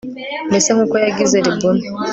mbese nk'uko yagize libuna